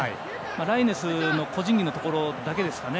ライネスの個人技のところだけですかね